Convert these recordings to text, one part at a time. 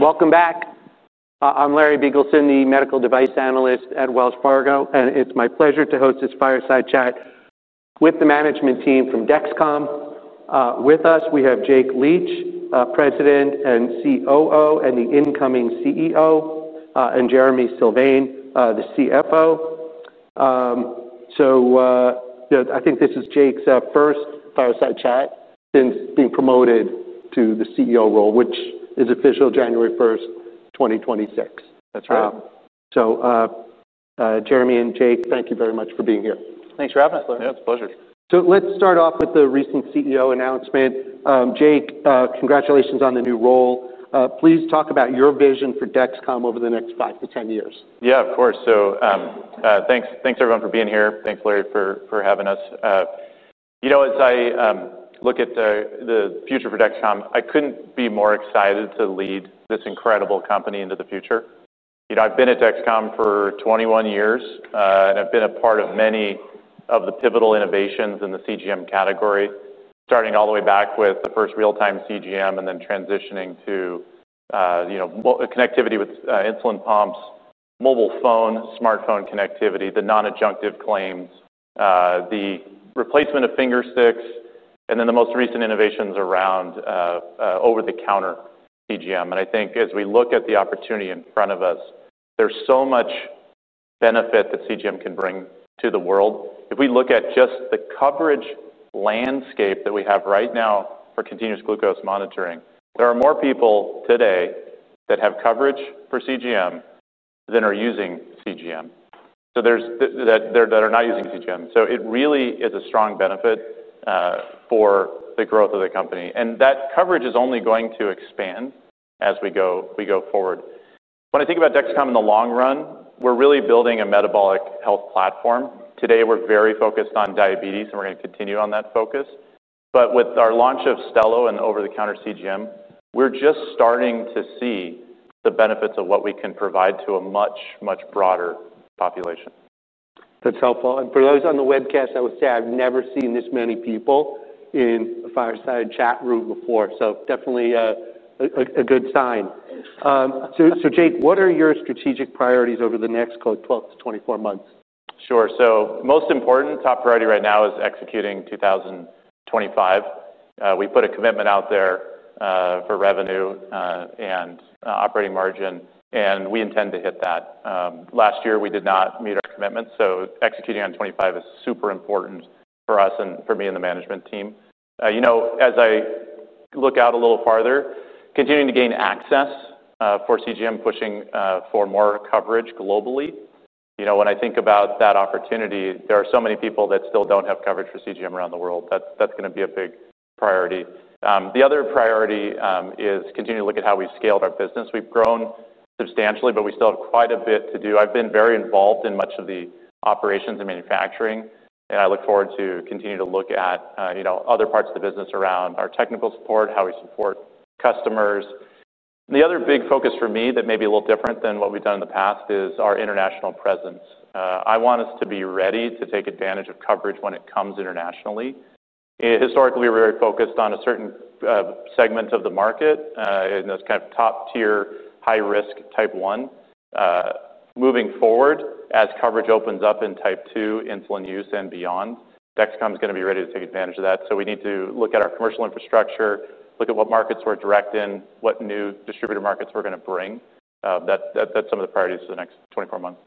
Hi. Welcome back. I'm Larry Biegelsen, the Medical Device Analyst at Wells Fargo, and it's my pleasure to host this fireside chat with the management team from Dexcom. With us, we have Jake Leach, President and COO, and the incoming CEO, and Jereme Sylvain, the CFO. So, you know, I think this is Jake's first fireside chat since being promoted to the CEO role, which is official January 1st, 2026. That's right. Jereme and Jake, thank you very much for being here. Thanks for having us. Yeah, it's a pleasure. So let's start off with the recent CEO announcement. Jake, congratulations on the new role. Please talk about your vision for Dexcom over the next five to 10 years. Yeah, of course, so thanks, everyone, for being here. Thanks, Larry, for having us. You know, as I look at the future for Dexcom, I couldn't be more excited to lead this incredible company into the future. You know, I've been at Dexcom for 21 years, and I've been a part of many of the pivotal innovations in the CGM category. Starting all the way back with the first real-time CGM, and then transitioning to, you know, well, the connectivity with insulin pumps, mobile phone, smartphone connectivity, the non-adjunctive claims, the replacement of finger sticks, and then the most recent innovations around over-the-counter CGM, and I think as we look at the opportunity in front of us, there's so much benefit that CGM can bring to the world. If we look at just the coverage landscape that we have right now for continuous glucose monitoring, there are more people today that have coverage for CGM than are using CGM, so there are people that are not using CGM. It really is a strong benefit for the growth of the company, and that coverage is only going to expand as we go forward. When I think about Dexcom in the long run, we're really building a metabolic health platform. Today, we're very focused on diabetes, and we're gonna continue on that focus. But with our launch of Stelo and over-the-counter CGM, we're just starting to see the benefits of what we can provide to a much, much broader population. That's helpful. For those on the webcast, I would say I've never seen this many people in a fireside chat room before, so definitely a good sign, so Jake, what are your strategic priorities over the next call it 12-24 months? Sure, so most important, top priority right now is executing 2025. We put a commitment out there for revenue and operating margin, and we intend to hit that. Last year, we did not meet our commitment, so executing on 2025 is super important for us and for me and the management team. You know, as I look out a little farther, continuing to gain access for CGM, pushing for more coverage globally. You know, when I think about that opportunity, there are so many people that still don't have coverage for CGM around the world. That's gonna be a big priority. The other priority is continue to look at how we've scaled our business. We've grown substantially, but we still have quite a bit to do. I've been very involved in much of the operations and manufacturing, and I look forward to continuing to look at, you know, other parts of the business around our technical support, how we support customers. The other big focus for me that may be a little different than what we've done in the past is our international presence. I want us to be ready to take advantage of coverage when it comes internationally. Historically, we're very focused on a certain, segment of the market, and those kind of top-tier, high-risk Type 1. Moving forward, as coverage opens up in Type 2 insulin use and beyond, Dexcom is gonna be ready to take advantage of that. So we need to look at our commercial infrastructure, look at what markets we're direct in, what new distributor markets we're gonna bring. That's, that's some of the priorities for the next 24 months.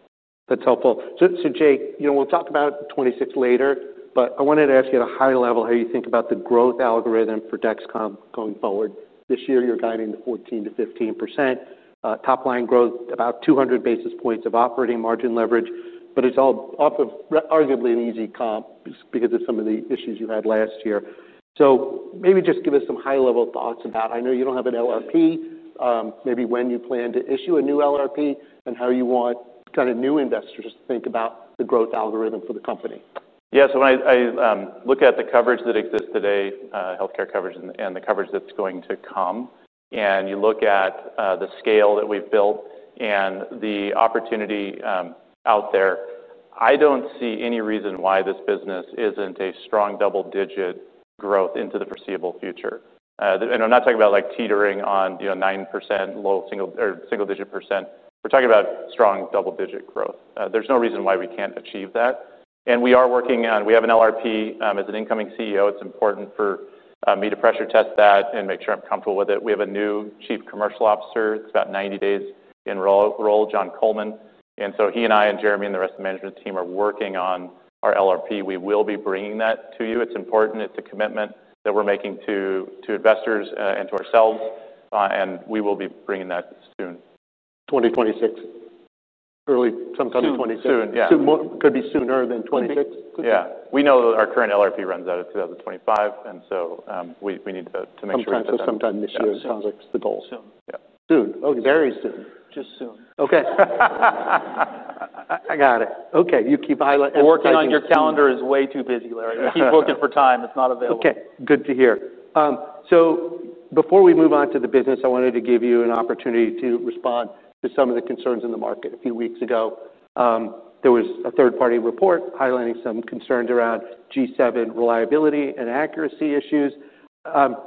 That's helpful. So, Jake, you know, we'll talk about 2026 later, but I wanted to ask you, at a high level, how you think about the growth algorithm for Dexcom going forward? This year, you're guiding 14%-15% top-line growth, about 200 basis points of operating margin leverage, but it's all off of arguably an easy comp because of some of the issues you had last year. So maybe just give us some high-level thoughts about... I know you don't have an LRP, maybe when you plan to issue a new LRP and how you want kind of new investors to think about the growth algorithm for the company. Yeah, so when I look at the coverage that exists today, healthcare coverage and the coverage that's going to come, and you look at the scale that we've built and the opportunity out there, I don't see any reason why this business isn't a strong double-digit growth into the foreseeable future. And I'm not talking about, like, teetering on, you know, 9%, low single or single-digit %. We're talking about strong double-digit growth. There's no reason why we can't achieve that. And we are working on. We have an LRP. As an incoming CEO, it's important for me to pressure test that and make sure I'm comfortable with it. We have a new Chief Commercial Officer. It's about 90 days in role, John Coleman. And so he and I, and Jereme, and the rest of the management team are working on our LRP. We will be bringing that to you. It's important. It's a commitment that we're making to investors, and to ourselves, and we will be bringing that soon. 2026. Early, sometime in 20- Soon. Yeah. Could be sooner than 2026? Yeah. We know that our current LRP runs out in 2025, and so, we need to make sure- Sometime this year, sounds like the goal. Soon. Yeah. Soon. Okay. Very soon. Just soon. Okay, I got it. Okay, you keep highlight- Working on your calendar is way too busy, Larry. Keep looking for time that's not available. Okay, good to hear. So before we move on to the business, I wanted to give you an opportunity to respond to some of the concerns in the market. A few weeks ago, there was a third-party report highlighting some concerns around G7 reliability and accuracy issues.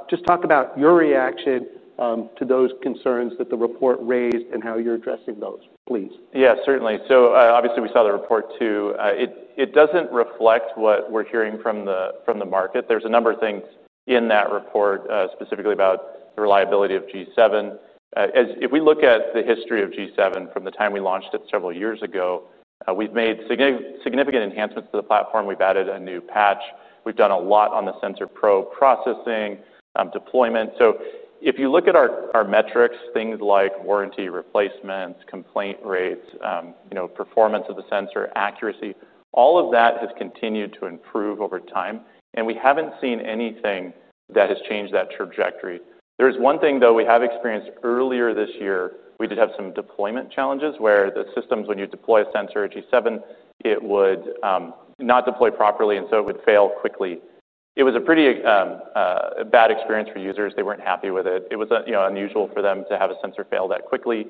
Just talk about your reaction to those concerns that the report raised and how you're addressing those, please. Yeah, certainly, so obviously, we saw the report too. It doesn't reflect what we're hearing from the market. There's a number of things in that report, specifically about the reliability of G7. As if we look at the history of G7 from the time we launched it several years ago, we've made significant enhancements to the platform. We've added a new patch. We've done a lot on the sensor probe processing, deployment. So if you look at our metrics, things like warranty, replacements, complaint rates, you know, performance of the sensor, accuracy, all of that has continued to improve over time, and we haven't seen anything that has changed that trajectory. There is one thing, though, we have experienced earlier this year. We did have some deployment challenges, where the systems, when you deploy a G7 sensor, it would not deploy properly, and so it would fail quickly. It was a pretty bad experience for users. They weren't happy with it. It was, you know, unusual for them to have a sensor fail that quickly.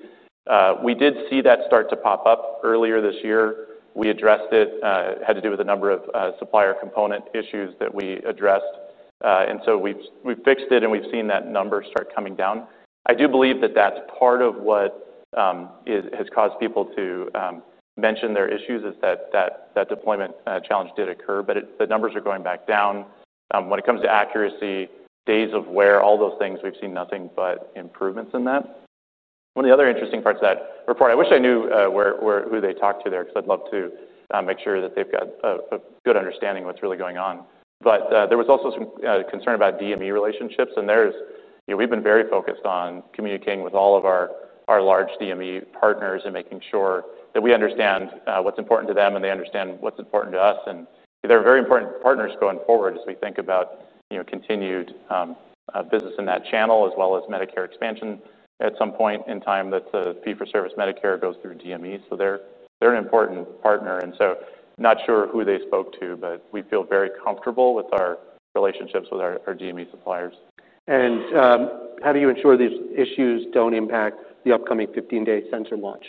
We did see that start to pop up earlier this year. We addressed it. It had to do with a number of supplier component issues that we addressed. And so we've fixed it, and we've seen that number start coming down. I do believe that that's part of what has caused people to mention their issues, is that deployment challenge did occur, but. The numbers are going back down. When it comes to accuracy, days of wear, all those things, we've seen nothing but improvements in that. One of the other interesting parts of that report, I wish I knew where, who they talked to there, because I'd love to make sure that they've got a good understanding of what's really going on. But there was also some concern about DME relationships, and there's. You know, we've been very focused on communicating with all of our large DME partners and making sure that we understand what's important to them, and they understand what's important to us. They're very important partners going forward as we think about, you know, continued business in that channel, as well as Medicare expansion. At some point in time, that fee-for-service Medicare goes through DME, so they're an important partner, and so not sure who they spoke to, but we feel very comfortable with our relationships with our DME suppliers. How do you ensure these issues don't impact the upcoming 15-day sensor launch?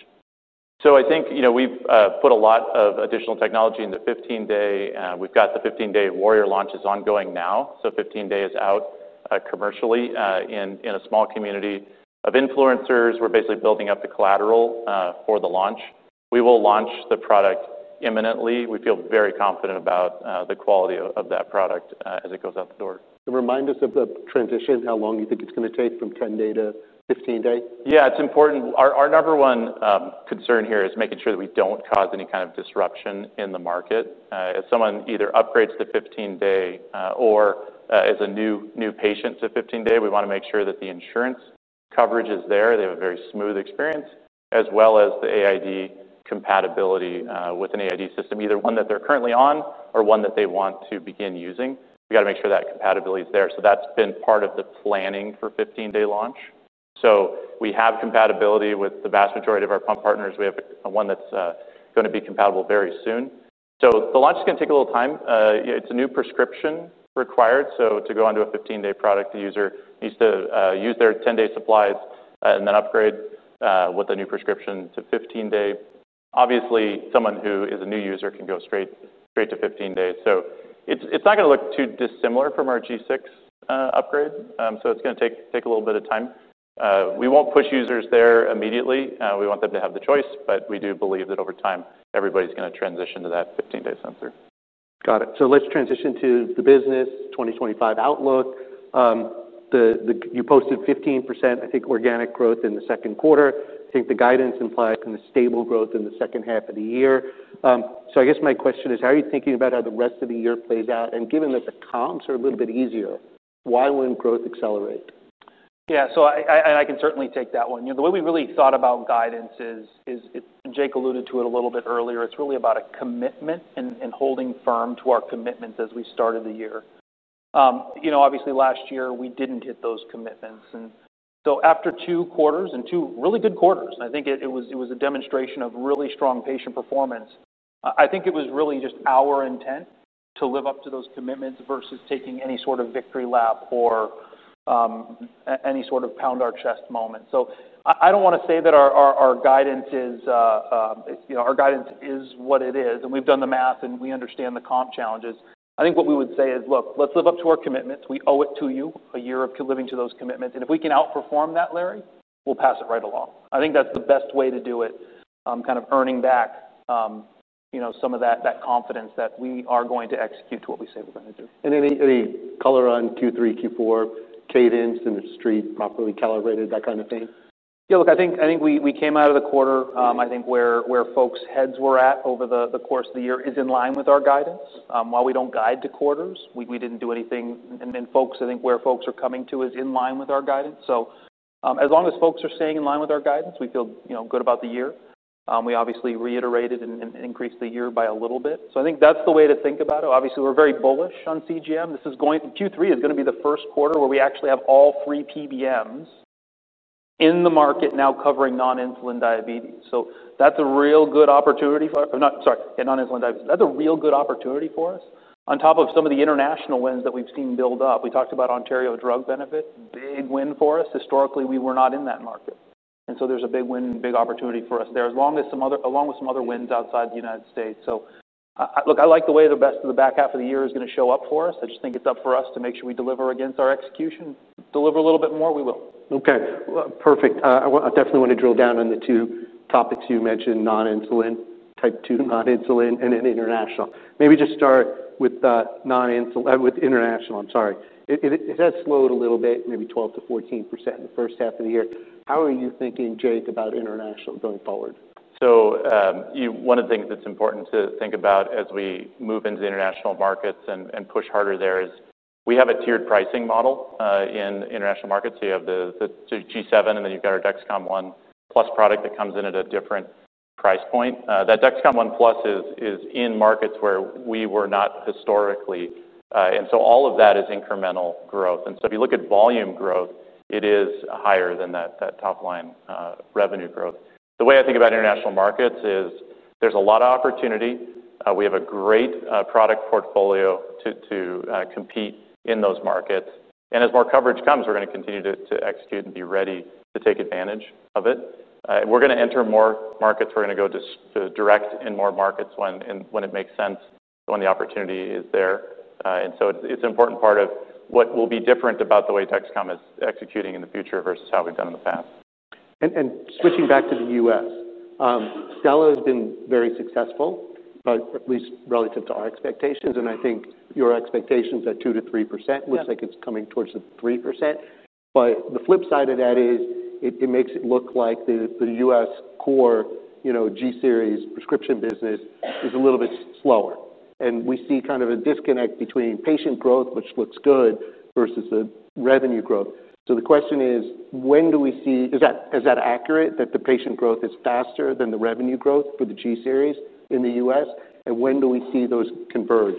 So I think, you know, we've put a lot of additional technology in the 15-day. We've got the 15-day Warrior launch is ongoing now. So 15-day is out, commercially, in a small community of influencers. We're basically building up the collateral, for the launch. We will launch the product imminently. We feel very confident about the quality of that product, as it goes out the door. Remind us of the transition, how long you think it's going to take from 10-day to 15-day? Yeah, it's important. Our number one concern here is making sure that we don't cause any kind of disruption in the market. If someone either upgrades to 15-day, or is a new patient to 15-day, we want to make sure that the insurance coverage is there, they have a very smooth experience, as well as the AID compatibility with an AID system, either one that they're currently on or one that they want to begin using. We got to make sure that compatibility is there. So that's been part of the planning for 15-day launch. So we have compatibility with the vast majority of our pump partners. We have one that's going to be compatible very soon. So the launch is going to take a little time. It's a new prescription required, so to go onto a 15-day product, the user needs to use their 10-day supplies and then upgrade with a new prescription to 15-day. Obviously, someone who is a new user can go straight to 15 days. So it's not going to look too dissimilar from our G6 upgrade. So it's going to take a little bit of time. We won't push users there immediately. We want them to have the choice, but we do believe that over time, everybody's going to transition to that 15-day sensor. Got it. So let's transition to the business, 2025 outlook. You posted 15%, I think, organic growth in the second quarter. I think the guidance implies kind of stable growth in the second half of the year. So I guess my question is: How are you thinking about how the rest of the year plays out? And given that the comps are a little bit easier, why wouldn't growth accelerate? Yeah. So I can certainly take that one. You know, the way we really thought about guidance is, it's Jake alluded to it a little bit earlier, it's really about a commitment and holding firm to our commitments as we started the year. You know, obviously, last year we didn't hit those commitments, and so after two quarters, and two really good quarters, I think it was a demonstration of really strong patient performance. I think it was really just our intent to live up to those commitments versus taking any sort of victory lap or any sort of pound our chest moment. So I don't want to say that our guidance is, you know, our guidance is what it is, and we've done the math, and we understand the comp challenges. I think what we would say is, "Look, let's live up to our commitments. We owe it to you, a year of living to those commitments, and if we can outperform that, Larry, we'll pass it right along." I think that's the best way to do it, kind of earning back, you know, some of that confidence that we are going to execute to what we say we're gonna do. Any color on Q3, Q4 cadence, and the street properly calibrated, that kind of thing? Yeah, look, I think we came out of the quarter. I think where folks' heads were at over the course of the year is in line with our guidance. While we don't guide to quarters, we didn't do anything. And then, folks, I think where folks are coming to is in line with our guidance. So, as long as folks are staying in line with our guidance, we feel, you know, good about the year. We obviously reiterated and increased the year by a little bit. So I think that's the way to think about it. Obviously, we're very bullish on CGM. This is going... Q3 is going to be the first quarter where we actually have all three PBMs in the market now covering non-insulin diabetes. That's a real good opportunity for us in non-insulin diabetes. That's a real good opportunity for us. On top of some of the international wins that we've seen build up, we talked about Ontario Drug Benefit, big win for us. Historically, we were not in that market, and so there's a big win and big opportunity for us there, along with some other wins outside the United States. So, look, I like the way the best of the back half of the year is going to show up for us. I just think it's up for us to make sure we deliver against our execution, deliver a little bit more, we will. Okay, perfect. I definitely want to drill down on the two topics you mentioned: non-insulin, Type 2 non-insulin, and then international. Maybe just start with non-insulin with international, I'm sorry. It has slowed a little bit, maybe 12%-14% in the first half of the year. How are you thinking, Jake, about international going forward? So, one of the things that's important to think about as we move into the international markets and push harder there is we have a tiered pricing model in international markets. So you have the G7, and then you've got our Dexcom ONE+ product that comes in at a different price point. That Dexcom ONE+ is in markets where we were not historically. And so all of that is incremental growth. And so if you look at volume growth, it is higher than that top line revenue growth. The way I think about international markets is there's a lot of opportunity. We have a great product portfolio to compete in those markets. And as more coverage comes, we're going to continue to execute and be ready to take advantage of it. We're going to enter more markets. We're going to go direct in more markets when and when it makes sense, when the opportunity is there. And so it's an important part of what will be different about the way Dexcom is executing in the future versus how we've done in the past. Switching back to the U.S., Stelo has been very successful, but at least relative to our expectations, and I think your expectations at 2%-3%. Yeah. It looks like it's coming towards the 3%. But the flip side of that is it makes it look like the U.S. core, you know, G-series prescription business is a little bit slower, and we see kind of a disconnect between patient growth, which looks good, versus the revenue growth. So the question is: When do we see... Is that accurate, that the patient growth is faster than the revenue growth for the G-series in the U.S.? And when do we see those converge?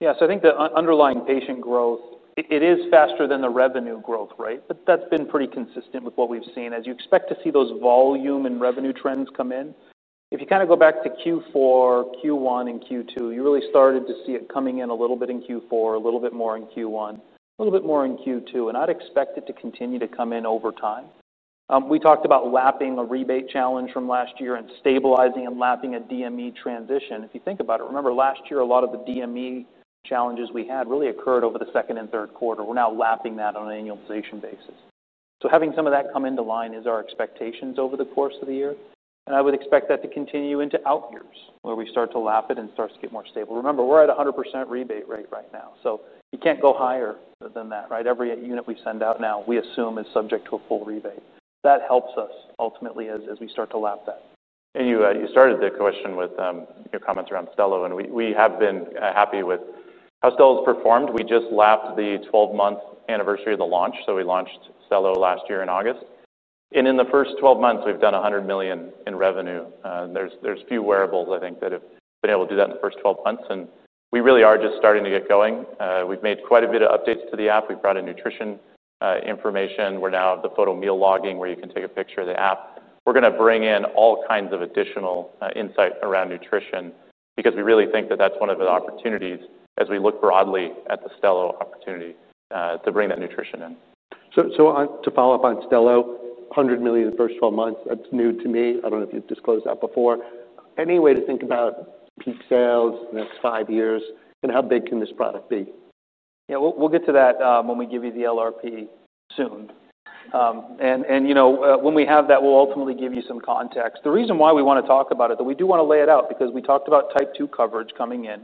Yes, I think the underlying patient growth, it is faster than the revenue growth, right? But that's been pretty consistent with what we've seen. As you expect to see those volume and revenue trends come in, if you kind of go back to Q4, Q1, and Q2, you really started to see it coming in a little bit in Q4, a little bit more in Q1, a little bit more in Q2, and I'd expect it to continue to come in over time. We talked about lapping a rebate challenge from last year and stabilizing and lapping a DME transition. If you think about it, remember, last year, a lot of the DME challenges we had really occurred over the second and third quarter. We're now lapping that on an annualization basis. So having some of that come into line is our expectations over the course of the year, and I would expect that to continue into outyears, where we start to lap it and starts to get more stable. Remember, we're at a 100% rebate rate right now, so you can't go higher than that, right? Every unit we send out now, we assume, is subject to a full rebate. That helps us ultimately as we start to lap that. You started the question with your comments around Stelo, and we have been happy with how Stelo has performed. We just lapped the twelve-month anniversary of the launch, so we launched Stelo last year in August. In the first 12 months, we've done $100 million in revenue. There's few wearables, I think, that have been able to do that in the first 12 months, and we really are just starting to get going. We've made quite a bit of updates to the app. We've brought in nutrition information. We're now at the photo meal logging, where you can take a picture of the app. We're going to bring in all kinds of additional insight around nutrition because we really think that that's one of the opportunities as we look broadly at the Stelo opportunity to bring that nutrition in. To follow up on Stelo, $100 million in the first 12 months, that's new to me. I don't know if you've disclosed that before. Any way to think about peak sales in the next five years, and how big can this product be? Yeah, we'll get to that when we give you the LRP soon, and you know, when we have that, we'll ultimately give you some context. The reason why we want to talk about it, though, we do want to lay it out because we talked about Type 2 coverage coming in.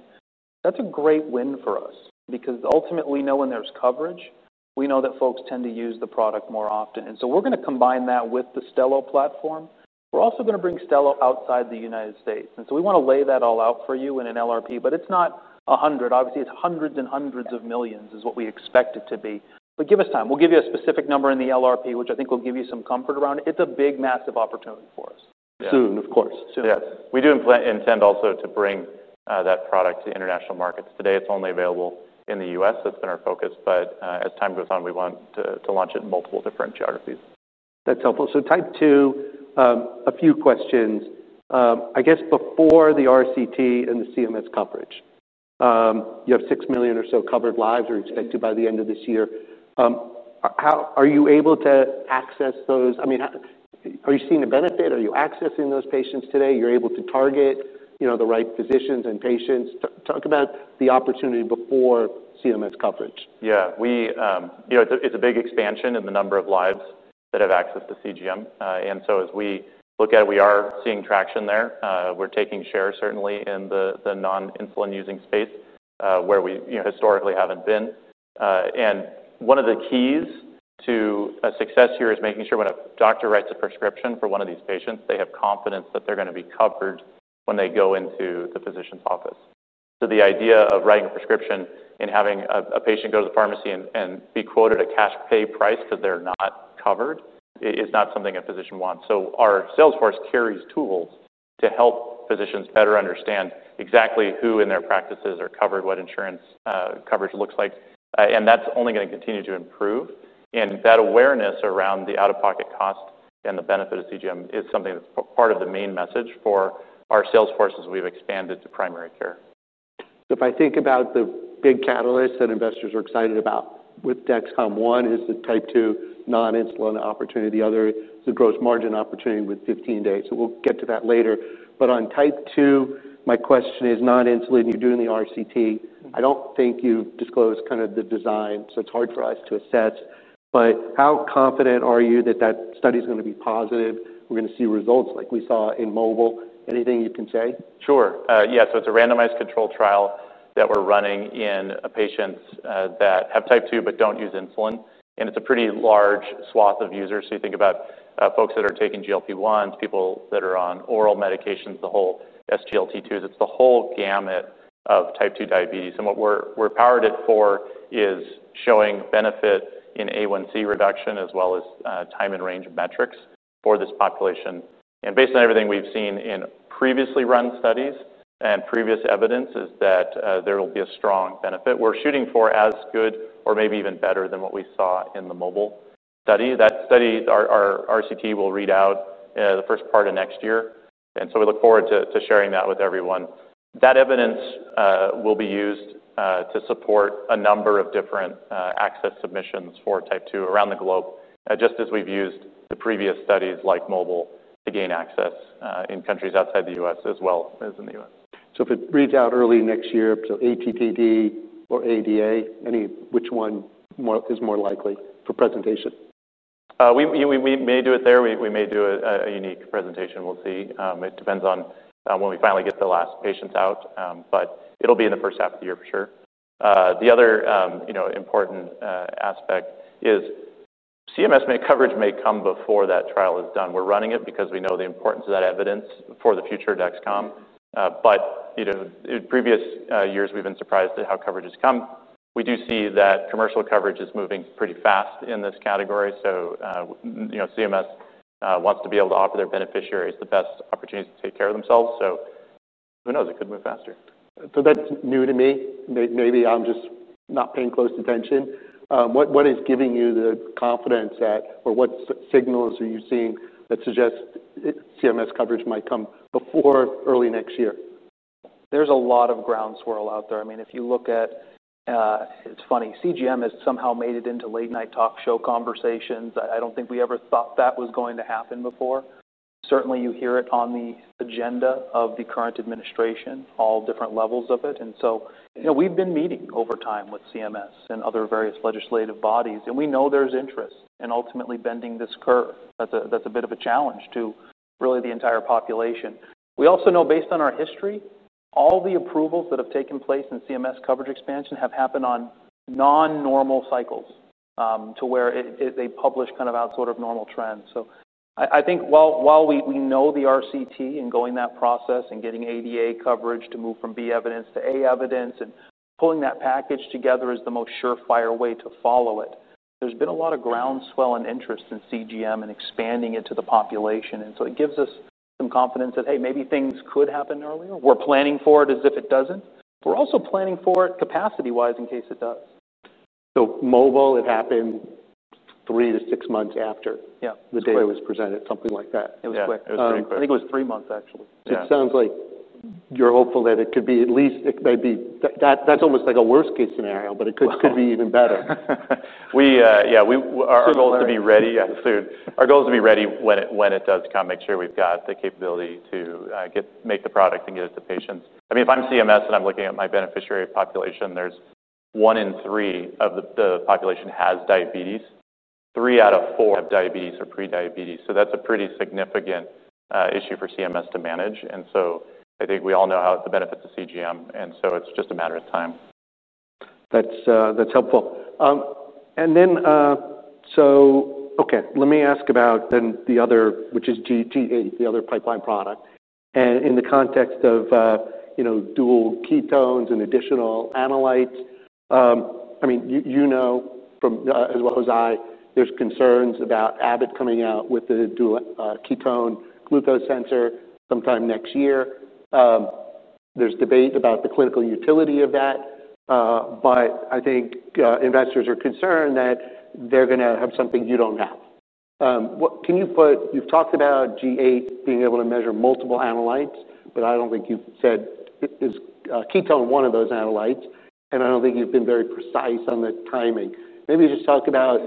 That's a great win for us because ultimately, we know when there's coverage, we know that folks tend to use the product more often. And so we're going to combine that with the Stelo platform. We're also going to bring Stelo outside the United States, and so we want to lay that all out for you in an LRP, but it's not a hundred. Obviously, it's hundreds and hundreds of millions is what we expect it to be, but give us time. We'll give you a specific number in the LRP, which I think will give you some comfort around it. It's a big, massive opportunity for us. Soon, of course. Soon. Yes. We do intend also to bring that product to international markets. Today, it's only available in the U.S. That's been our focus, but as time goes on, we want to launch it in multiple different geographies. That's helpful. So Type 2, a few questions. I guess before the RCT and the CMS coverage, you have 6 million or so covered lives are expected by the end of this year. How are you able to access those? I mean, how are you seeing the benefit? Are you accessing those patients today? You're able to target, you know, the right physicians and patients. Talk about the opportunity before CMS coverage. Yeah, we... You know, it's a big expansion in the number of lives that have access to CGM. And so as we look at it, we are seeing traction there. We're taking shares, certainly, in the non-insulin-using space, where we, you know, historically haven't been. And one of the keys to success here is making sure when a doctor writes a prescription for one of these patients, they have confidence that they're going to be covered when they go into the physician's office. So the idea of writing a prescription and having a patient go to the pharmacy and be quoted a cash pay price because they're not covered is not something a physician wants. So our sales force carries tools to help physicians better understand exactly who in their practices are covered, what insurance coverage looks like. And that's only going to continue to improve. And that awareness around the out-of-pocket cost and the benefit of CGM is something that's part of the main message for our sales force as we've expanded to primary care.... So if I think about the big catalysts that investors are excited about with Dexcom, one is the Type 2 non-insulin opportunity, the other is the gross margin opportunity with 15 days. So we'll get to that later. But on Type 2, my question is non-insulin, you're doing the RCT. I don't think you've disclosed kind of the design, so it's hard for us to assess. But how confident are you that that study is going to be positive, we're going to see results like we saw in MOBILE? Anything you can say? Sure. Yeah, so it's a randomized controlled trial that we're running in patients that have Type 2 but don't use insulin, and it's a pretty large swath of users. So you think about folks that are taking GLP-1s, people that are on oral medications, the whole SGLT2s. It's the whole gamut of Type 2 diabetes. And what we're powered at for is showing benefit in A1C reduction, as well as time in range of metrics for this population. And based on everything we've seen in previously run studies and previous evidence, is that there will be a strong benefit. We're shooting for as good or maybe even better than what we saw in the MOBILE study. That study, our RCT, will read out the first part of next year, and so we look forward to sharing that with everyone. That evidence will be used to support a number of different access submissions for Type 2 around the globe, just as we've used the previous studies like MOBILE to gain access in countries outside the U.S. as well as in the U.S. So if it reads out early next year, so ATTD or ADA, which one is more likely for presentation? We may do it there. We may do a unique presentation. We'll see. It depends on when we finally get the last patients out, but it'll be in the first half of the year for sure. The other, you know, important aspect is CMS coverage may come before that trial is done. We're running it because we know the importance of that evidence for the future of Dexcom. You know, in previous years, we've been surprised at how coverage has come. We do see that commercial coverage is moving pretty fast in this category. You know, CMS wants to be able to offer their beneficiaries the best opportunities to take care of themselves, so who knows? It could move faster. So that's new to me. Maybe I'm just not paying close attention. What is giving you the confidence that, or what signals are you seeing that suggest CMS coverage might come before early next year? There's a lot of groundswell out there. I mean, if you look at. It's funny, CGM has somehow made it into late-night talk show conversations. I don't think we ever thought that was going to happen before. Certainly, you hear it on the agenda of the current administration, all different levels of it. And so, you know, we've been meeting over time with CMS and other various legislative bodies, and we know there's interest in ultimately bending this curve. That's a bit of a challenge to really the entire population. We also know, based on our history, all the approvals that have taken place in CMS coverage expansion have happened on non-normal cycles, to where they publish kind of out of sort of normal trends. So I think while we know the RCT and going that process and getting ADA coverage to move from B evidence to A evidence, and pulling that package together is the most surefire way to follow it. There's been a lot of groundswell and interest in CGM and expanding it to the population, and so it gives us some confidence that, hey, maybe things could happen earlier. We're planning for it as if it doesn't. We're also planning for it capacity-wise, in case it does. MOBILE, it happened three to six months after- Yeah. The data was presented, something like that. It was quick. Yeah, it was very quick. I think it was three months, actually. Yeah. It sounds like you're hopeful that it could be at least, it may be... That, that's almost like a worst-case scenario, but it could be even better. We, yeah, we, our goal is to be ready. Yeah, soon. Our goal is to be ready when it, when it does come, make sure we've got the capability to get make the product and get it to patients. I mean, if I'm CMS and I'm looking at my beneficiary population, there's one in three of the population has diabetes, three out of four have diabetes or prediabetes. So that's a pretty significant issue for CMS to manage, and so I think we all know how it's a benefit to CGM, and so it's just a matter of time. That's, that's helpful. And then, so... Okay, let me ask about then the other, which is G8, the other pipeline product. And in the context of, you know, dual ketones and additional analytes, I mean, you, you know from, as well as I, there's concerns about Abbott coming out with a dual, ketone glucose sensor sometime next year. There's debate about the clinical utility of that, but I think, investors are concerned that they're gonna have something you don't have. What-- can you put-- You've talked about G8 being able to measure multiple analytes, but I don't think you've said is, ketone one of those analytes, and I don't think you've been very precise on the timing. Maybe just talk about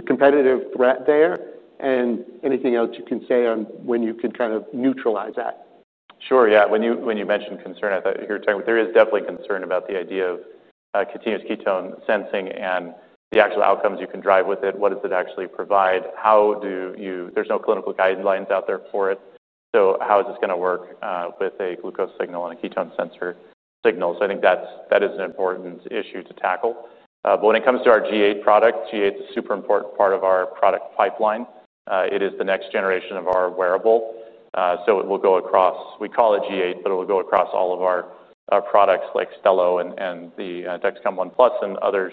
the competitive threat there and anything else you can say on when you can kind of neutralize that. Sure. Yeah. When you mentioned concern, I thought you were talking about... There is definitely concern about the idea of continuous ketone sensing and the actual outcomes you can drive with it. What does it actually provide? How do you-- There's no clinical guidelines out there for it, so how is this gonna work with a glucose signal and a ketone sensor signal? So I think that's, that is an important issue to tackle. But when it comes to our G8 product, G8 is a super important part of our product pipeline. It is the next generation of our wearable, so it will go across. We call it G8, but it will go across all of our products, like Stelo and the Dexcom ONE+ and other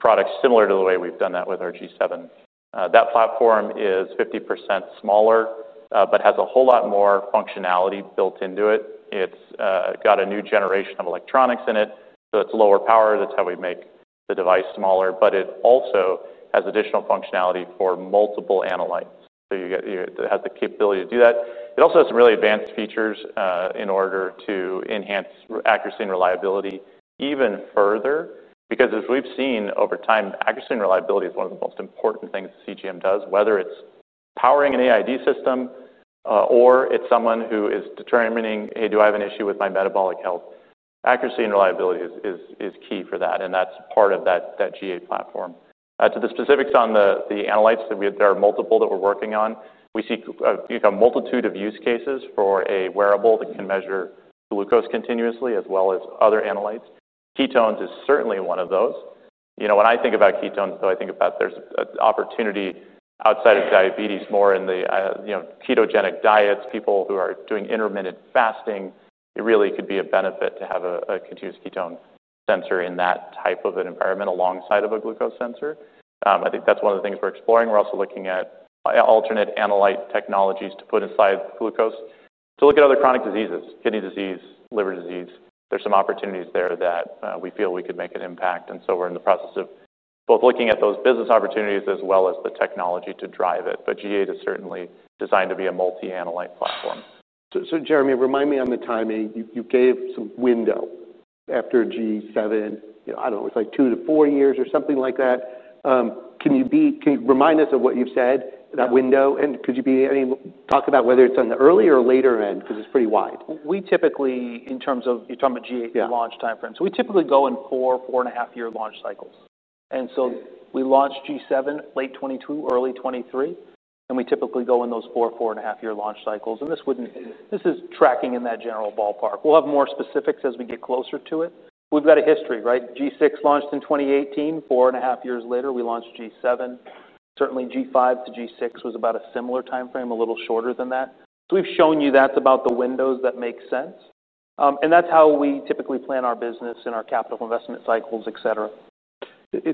products, similar to the way we've done that with our G7. That platform is 50% smaller, but has a whole lot more functionality built into it. It's got a new generation of electronics in it, so it's lower power. That's how we make the device smaller, but it also has additional functionality for multiple analytes. So you get it has the capability to do that. It also has some really advanced features in order to enhance accuracy and reliability even further. Because as we've seen over time, accuracy and reliability is one of the most important things CGM does, whether it's powering an AID system, or it's someone who is determining, "Hey, do I have an issue with my metabolic health?" Accuracy and reliability is key for that, and that's part of that G8 platform. To the specifics on the analytes that we're working on. There are multiple that we're working on. We see, you know, a multitude of use cases for a wearable that can measure glucose continuously, as well as other analytes. Ketones is certainly one of those. You know, when I think about ketones, so I think about there's an opportunity outside of diabetes, more in the, you know, ketogenic diets, people who are doing intermittent fasting. It really could be a benefit to have a continuous ketone sensor in that type of an environment alongside of a glucose sensor. I think that's one of the things we're exploring. We're also looking at alternate analyte technologies to put inside glucose, to look at other chronic diseases: kidney disease, liver disease. There's some opportunities there that, we feel we could make an impact, and so we're in the process of both looking at those business opportunities as well as the technology to drive it. But G8 is certainly designed to be a multi-analyte platform. So, Jereme, remind me on the timing. You gave some window after G7. I don't know, it's like two to four years or something like that. Can you remind us of what you've said, that window? And could you be, I mean, talk about whether it's on the early or later end, because it's pretty wide. We typically, in terms of... You're talking about G8- Yeah... the launch timeframe. So we typically go in four, four-and-a-half-year launch cycles. And so we launched G7 late 2022, early 2023, and we typically go in those four, four-and-a-half year launch cycles. And this is tracking in that general ballpark. We'll have more specifics as we get closer to it. We've got a history, right? G6 launched in 2018. Four and a half years later, we launched G7. Certainly, G5 to G6 was about a similar timeframe, a little shorter than that. So we've shown you that's about the windows that make sense. And that's how we typically plan our business and our capital investment cycles, et cetera.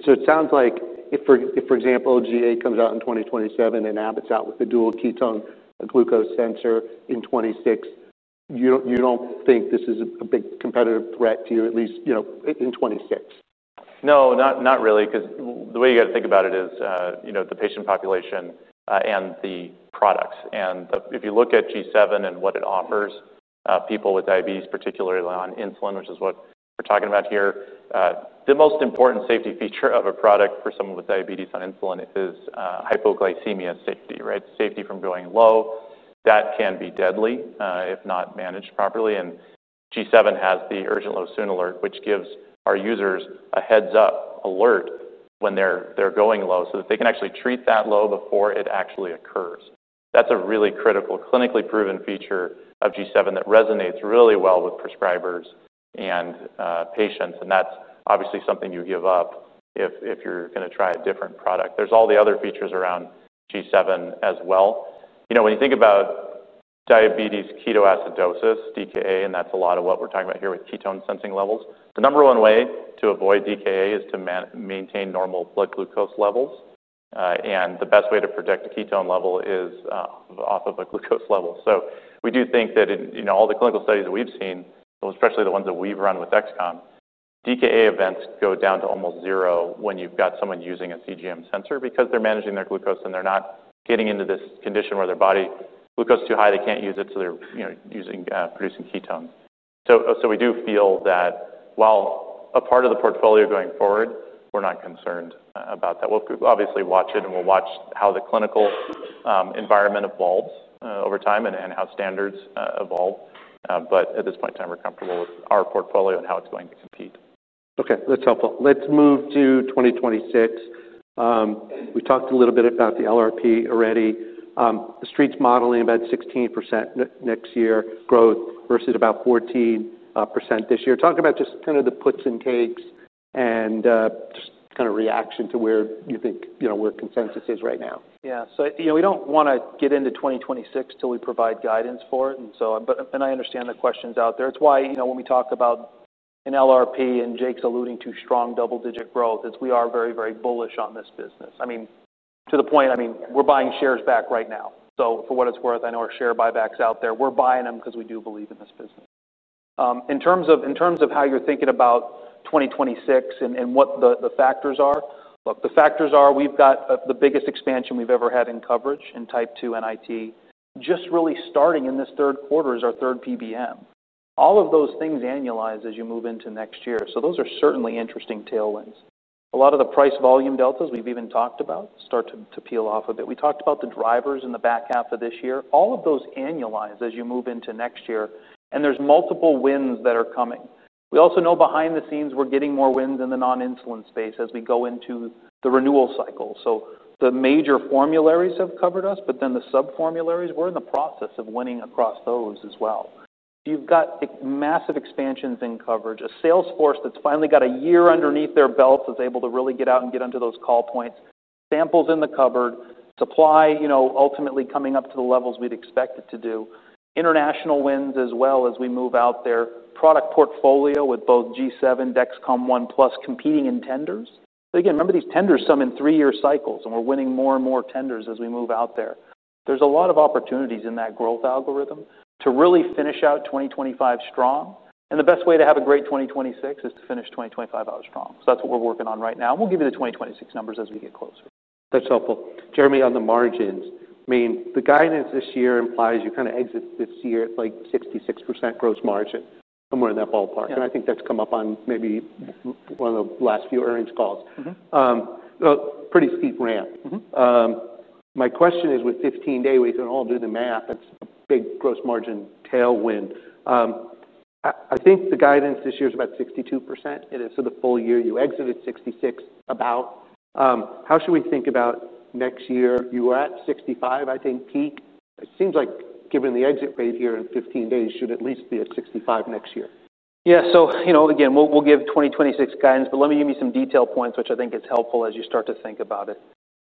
So it sounds like if, for example, G8 comes out in 2027 and Abbott's out with the dual ketone glucose sensor in 2026, you don't think this is a big competitive threat to you, at least, you know, in 2026? No, not really, because the way you got to think about it is, you know, the patient population, and the products. And if you look at G7 and what it offers, people with diabetes, particularly on insulin, which is what we're talking about here, the most important safety feature of a product for someone with diabetes on insulin is, hypoglycemia safety. Right? Safety from going low. That can be deadly, if not managed properly. And G7 has the Urgent Low Soon alert, which gives our users a heads-up alert when they're going low, so that they can actually treat that low before it actually occurs. That's a really critical, clinically proven feature of G7 that resonates really well with prescribers and, patients, and that's obviously something you give up if you're going to try a different product. There's all the other features around G7 as well. You know, when you think about diabetic ketoacidosis, DKA, and that's a lot of what we're talking about here with ketone sensing levels. The number one way to avoid DKA is to maintain normal blood glucose levels. And the best way to predict a ketone level is off of a glucose level. So we do think that in, you know, all the clinical studies that we've seen, especially the ones that we've run with Dexcom, DKA events go down to almost zero when you've got someone using a CGM sensor because they're managing their glucose, and they're not getting into this condition where their body... Glucose too high, they can't use it, so they're, you know, using, producing ketones. So we do feel that while a part of the portfolio going forward, we're not concerned about that. We'll obviously watch it, and we'll watch how the clinical environment evolves over time and how standards evolve. But at this point in time, we're comfortable with our portfolio and how it's going to compete. Okay, that's helpful. Let's move to 2026. We talked a little bit about the LRP already. The Street's modeling about 16% next year growth versus about 14% this year. Talk about just kind of the puts and takes and just kind of reaction to where you think, you know, where consensus is right now. Yeah. So, you know, we don't want to get into 2026 till we provide guidance for it, and so. But, and I understand the questions out there. It's why, you know, when we talk about an LRP, and Jake's alluding to strong double-digit growth, is we are very, very bullish on this business. I mean, to the point, I mean, we're buying shares back right now. So for what it's worth, I know our share buyback's out there. We're buying them because we do believe in this business. In terms of how you're thinking about 2026 and what the factors are? Look, the factors are we've got the biggest expansion we've ever had in coverage in Type 2 NIT. Just really starting in this third quarter is our third PBM. All of those things annualize as you move into next year, so those are certainly interesting tailwinds. A lot of the price volume deltas we've even talked about start to peel off a bit. We talked about the drivers in the back half of this year. All of those annualize as you move into next year, and there's multiple winds that are coming. We also know behind the scenes, we're getting more winds in the non-insulin space as we go into the renewal cycle. So the major formularies have covered us, but then the sub-formularies, we're in the process of winning across those as well. You've got massive expansions in coverage. A sales force that's finally got a year underneath their belt, is able to really get out and get onto those call points. Samples in the cupboard supply, you know, ultimately coming up to the levels we'd expect it to do. International wins as well as we move out their product portfolio with both G7, Dexcom ONE+, competing in tenders. Again, remember, these tenders come in three-year cycles, and we're winning more and more tenders as we move out there. There's a lot of opportunities in that growth algorithm to really finish out twenty twenty-five strong, and the best way to have a great twenty twenty-six is to finish twenty twenty-five out strong. That's what we're working on right now. We'll give you the twenty twenty-six numbers as we get closer.... That's helpful. Jereme, on the margins, I mean, the guidance this year implies you kind of exit this year at, like, 66% gross margin, somewhere in that ballpark. Yeah. I think that's come up on maybe one of the last few earnings calls. Mm-hmm. A pretty steep ramp. Mm-hmm. My question is, with 15-day, we can all do the math, that's a big gross margin tailwind. I think the guidance this year is about 62%. So the full year, you exit at 66%, about. How should we think about next year? You were at 65%, I think, peak. It seems like given the exit rate here in 15 days, you should at least be at 65% next year. Yeah. So, you know, again, we'll give 2026 guidance, but let me give you some detail points, which I think is helpful as you start to think about it.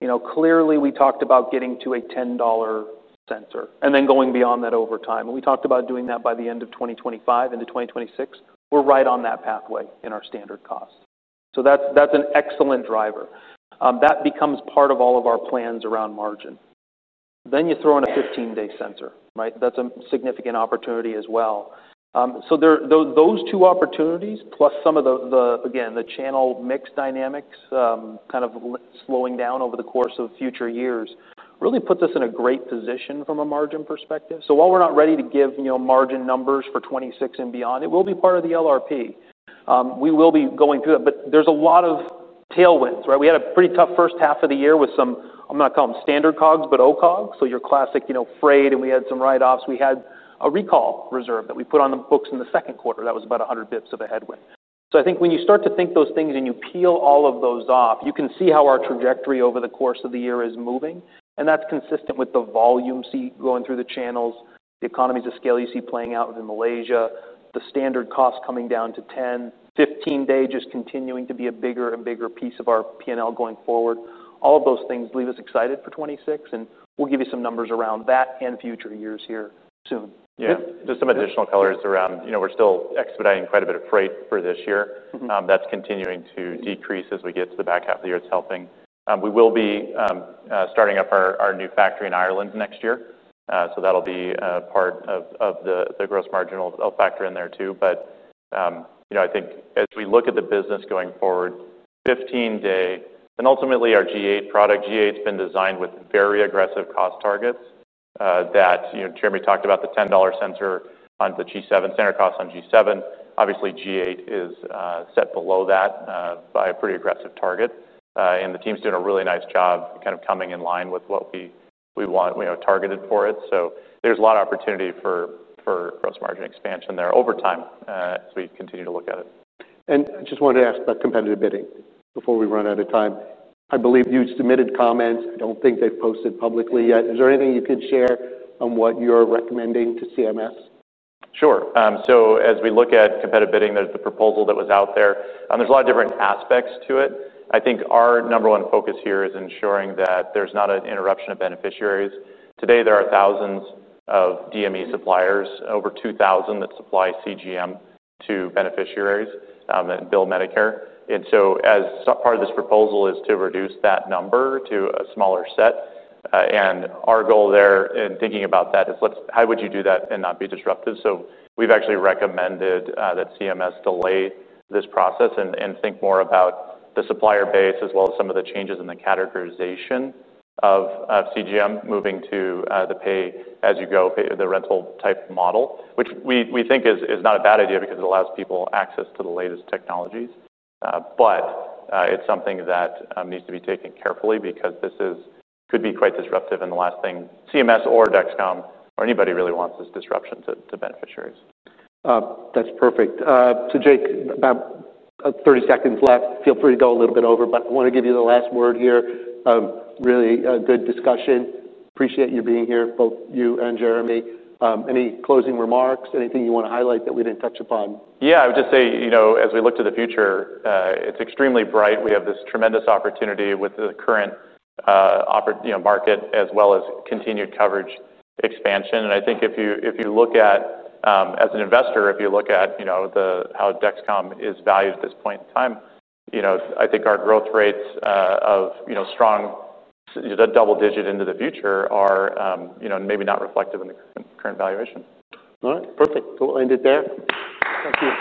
You know, clearly, we talked about getting to a $10 sensor and then going beyond that over time. And we talked about doing that by the end of 2025 into 2026. We're right on that pathway in our standard costs. So that's an excellent driver. That becomes part of all of our plans around margin. Then you throw in a 15-day sensor, right? That's a significant opportunity as well. So those two opportunities, plus some of the channel mix dynamics, kind of slowing down over the course of future years, really puts us in a great position from a margin perspective. So while we're not ready to give, you know, margin numbers for 2026 and beyond, it will be part of the LRP. We will be going through it, but there's a lot of tailwinds, right? We had a pretty tough first half of the year with some, I'm not going to call them standard COGS, but O-COGS. So your classic, you know, freight, and we had some write-offs. We had a recall reserve that we put on the books in the second quarter that was about 100 basis points of a headwind. I think when you start to think those things and you peel all of those off, you can see how our trajectory over the course of the year is moving, and that's consistent with the volume CGM going through the channels, the economies of scale you see playing out in Malaysia, the standard cost coming down to $10 15-day just continuing to be a bigger and bigger piece of our P&L going forward. All of those things leave us excited for 2026, and we'll give you some numbers around that in future years here soon. Yeah. Just some additional colors around... You know, we're still expediting quite a bit of freight for this year. Mm-hmm. That's continuing to decrease as we get to the back half of the year. It's helping. We will be starting up our new factory in Ireland next year. So that'll be part of the gross margin. It'll factor in there, too. But you know, I think as we look at the business going forward, 15-day, and ultimately our G8 product. G8's been designed with very aggressive cost targets that you know, Jereme talked about the $10 sensor on the G7, sensor cost on G7. Obviously, G8 is set below that by a pretty aggressive target. And the team's doing a really nice job kind of coming in line with what we want we have targeted for it. So there's a lot of opportunity for gross margin expansion there over time, as we continue to look at it. And I just wanted to ask about competitive bidding before we run out of time. I believe you submitted comments. I don't think they've posted publicly yet. Is there anything you could share on what you're recommending to CMS? Sure. So as we look at competitive bidding, there's the proposal that was out there, and there's a lot of different aspects to it. I think our number one focus here is ensuring that there's not an interruption of beneficiaries. Today, there are thousands of DME suppliers, over two thousand, that supply CGM to beneficiaries, and bill Medicare. And so as part of this proposal is to reduce that number to a smaller set. And our goal there in thinking about that is let's-how would you do that and not be disruptive? So we've actually recommended that CMS delay this process and think more about the supplier base, as well as some of the changes in the categorization of CGM moving to the pay-as-you-go, the rental-type model. Which we think is not a bad idea because it allows people access to the latest technologies. But it's something that needs to be taken carefully because this could be quite disruptive, and the last thing CMS or Dexcom or anybody really wants is disruption to beneficiaries. That's perfect. So Jake, about 30 seconds left. Feel free to go a little bit over, but I want to give you the last word here. A really good discussion. Appreciate you being here, both you and Jereme. Any closing remarks, anything you want to highlight that we didn't touch upon? Yeah, I would just say, you know, as we look to the future, it's extremely bright. We have this tremendous opportunity with the current, you know, market, as well as continued coverage expansion. And I think if you look at, as an investor, you know, how Dexcom is valued at this point in time, you know, I think our growth rates of, you know, strong double-digit into the future are, you know, maybe not reflective in the current valuation. All right. Perfect. We'll end it there. Thank you.